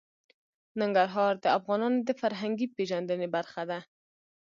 ننګرهار د افغانانو د فرهنګي پیژندنې برخه ده.